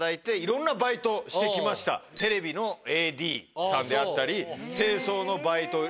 テレビのＡＤさんであったり清掃のバイト。